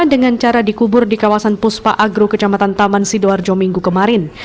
dengan cara dikubur di kawasan puspa agro kecamatan taman sidoarjo minggu kemarin